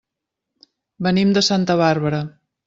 Venim de Santa Bàrbara.